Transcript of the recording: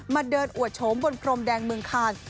เดินอวดโฉมบนพรมแดงเมืองคาน